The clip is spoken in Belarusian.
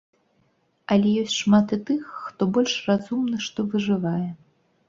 Але ёсць шмат і тых, хто больш разумны, што выжывае.